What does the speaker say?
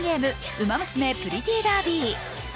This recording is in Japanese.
「ウマ娘プリティーダービー」。